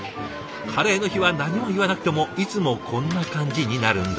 カレーの日は何も言わなくてもいつもこんな感じになるんだとか。